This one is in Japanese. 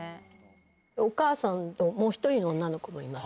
お母さんともう１人の女の子もいます。